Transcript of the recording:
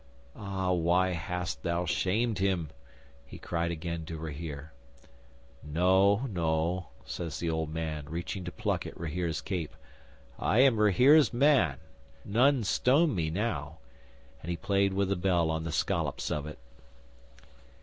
"Ah, why hast thou shamed him?" he cried again to Rahere. '"No no," says the old man, reaching to pluck at Rahere's cape. "I am Rahere's man. None stone me now," and he played with the bells on the scollops of it.